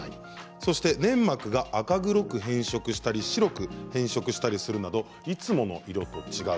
そして、粘膜が赤黒く変色したり白く変色したりするなどいつもの色と違う。